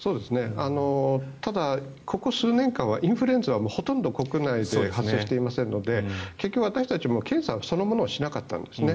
ただ、ここ数年間はインフルエンザはほとんど国内で発生していませんので結局私たちも検査そのものをしなかったんですね。